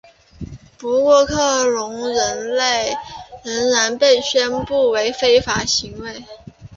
不过克隆人类仍然被宣布为非法行为。